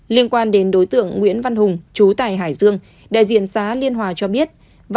liên quan đến đối tượng nguyễn văn hùng chú tại hải dương đại diện xá liên hòa cho biết